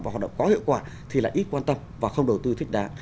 và hoạt động có hiệu quả thì lại ít quan tâm và không đầu tư thích đáng